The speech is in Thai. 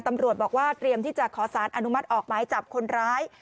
ตำรวจบอกว่าเตรียมที่จะขอสารอนุมัติออกหมายจับคนร้าย